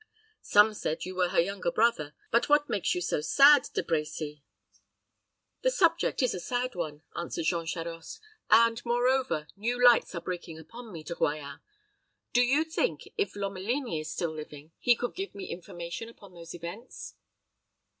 Some said you were her younger brother. But what makes you look so sad, De Brecy?" "The subject is a sad one," answered Jean Charost; "and, moreover, new lights are breaking upon me, De Royans. Do you think, if Lomelini is still living, he could give me information upon those events?"